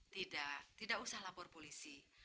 tidak tidak usah lapor polisi